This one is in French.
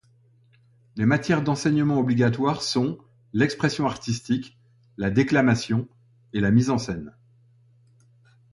Les matières d'enseignement obligatoires sont l'expression artistique, la déclamation et la mise en scène.